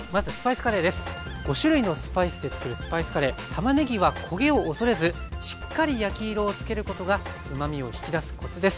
たまねぎは焦げを恐れずしっかり焼き色をつけることがうまみを引き出すコツです。